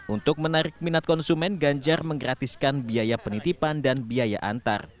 untuk menarik minat konsumen ganjar menggratiskan biaya penitipan dan biaya antar